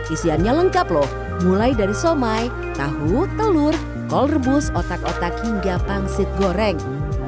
isiannya lengkap loh mulai dari somai tahu telur kol rebus otak otak hingga pangsit goreng